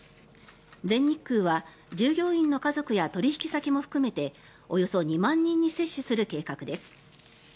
全日空は従業員の家族や取引先も含めておよそ２万人に接種する計画です。